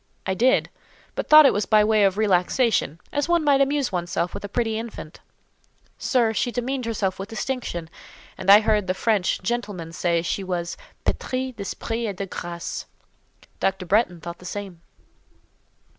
"I did; but I thought it was by way of relaxation—as one might amuse one's self with a pretty infant." "Sir, she demeaned herself with distinction; and I heard the French gentlemen say she was 'pétrie d'esprit et de graces.' Dr. Bretton thought the same."